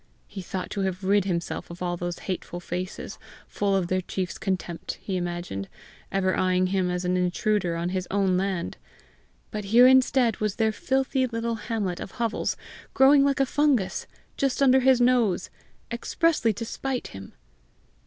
He thought to have rid himself of all those hateful faces, full of their chiefs contempt, he imagined, ever eyeing him as an intruder on his own land; but here instead was their filthy little hamlet of hovels growing like a fungus just under his nose, expressly to spite him!